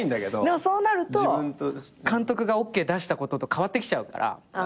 でもそうなると監督がＯＫ出したことと変わってきちゃうから。